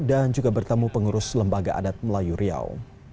dan juga bertemu pengurus lembaga adat melayu riau